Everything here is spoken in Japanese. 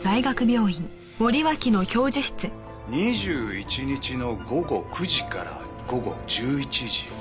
２１日の午後９時から午後１１時？